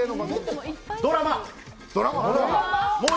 ドラマ。